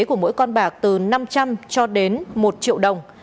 của mỗi con bạc từ năm trăm linh cho đến một triệu đồng